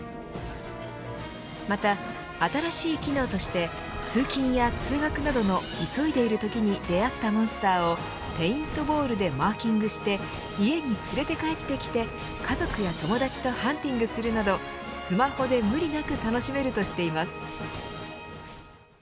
また、新しい機能として通勤や通学などの急いでいるときに出会ったモンスターをペイントボールでマーキングして家に連れて帰ってきて家族や友達とハンティングするなどスマホで無理なく楽しめるとしています。